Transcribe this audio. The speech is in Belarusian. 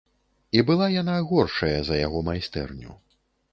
І была яна горшая за яго майстэрню.